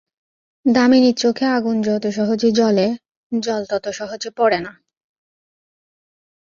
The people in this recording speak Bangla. দামিনীর চোখে আগুন যত সহজে জ্বলে, জল তত সহজে পড়ে না।